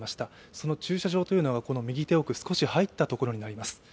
その駐車場というのがこの右手奥、少し入ったところになります。